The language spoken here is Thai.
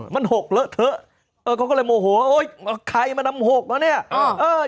มันหกเลอะเถอะเขาก็เลยโมโหอ้ยใครนำเนี่ย